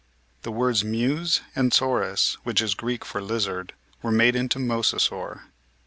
The words Meuse and "saurus," which is Greek for lizard, were made into Mosasaur.